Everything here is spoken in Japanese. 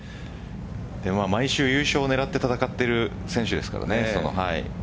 毎週優勝を狙って戦っている選手ですからね。